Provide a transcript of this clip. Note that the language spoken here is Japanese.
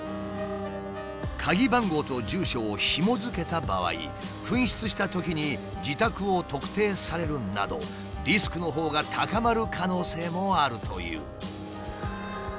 鍵番号と住所をひもづけた場合紛失したときに自宅を特定されるなどリスクのほうが高まる可能性もあるという。